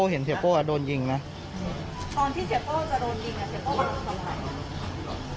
ตอนที่เสป้อจะโดนยิงเขาหลังไปถึงตรงไหน